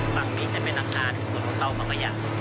ฝั่งที่จะเป็นนักศาสตร์ว่าเราเตาประกายัด